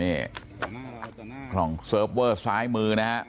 นี่กล่องเซิร์ฟเวอร์ซ้ายมือนะฮะ